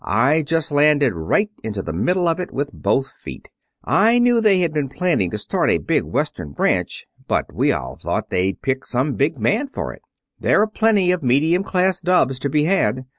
I just landed right into the middle of it with both feet. I knew they had been planning to start a big Western branch. But we all thought they'd pick some big man for it. There are plenty of medium class dubs to be had.